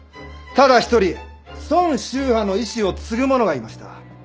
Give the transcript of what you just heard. ただ１人孫秀波の遺志を継ぐ者がいました。